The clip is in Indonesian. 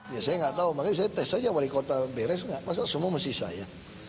ya saya nggak tahu makanya saya tes saja wali kota beres nggak masalah semua mesti saya